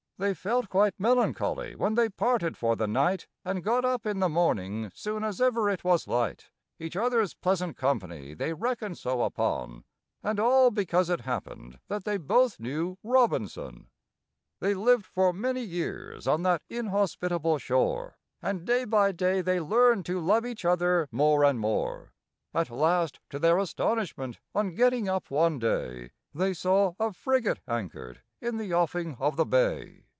They felt quite melancholy when they parted for the night, And got up in the morning soon as ever it was light; Each other's pleasant company they reckoned so upon, And all because it happened that they both knew ROBINSON! They lived for many years on that inhospitable shore, And day by day they learned to love each other more and more. At last, to their astonishment, on getting up one day, They saw a frigate anchored in the offing of the bay.